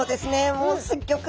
もうすっギョく